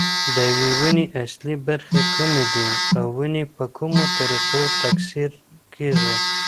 د یوې ونې اصلي برخې کومې دي او ونې په کومو طریقو تکثیر کېږي.